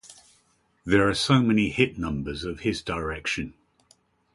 There are so many hit numbers of his direction.